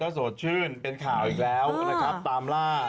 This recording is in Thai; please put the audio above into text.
สดชื่นเป็นข่าวอีกแล้วนะครับตามล่า